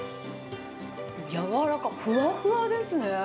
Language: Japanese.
やわらか、ふわふわですね。